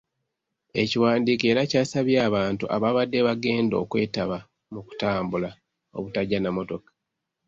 Ekiwandiiko era kyasabye abantu ababadde bagenda okwetaba mu kutambula, obutajja na mmotoka.